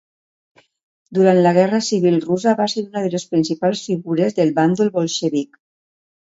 Durant la Guerra Civil Russa va ser una de les principals figures del bàndol bolxevic.